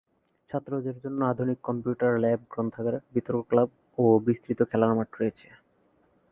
ছাত্রদের জন্য আধুনিক কম্পিউটার ল্যাব, গ্রন্থাগার, বিতর্ক ক্লাব ও বিস্তৃত খেলার মাঠ রয়েছে।